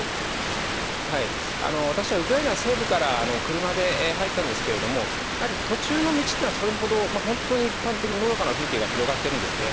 私はウクライナの西部から車で入ったんですけれども、やはり途中の道っていうのは、それほど、本当に一般的にのどかな風景が広がっているんですね。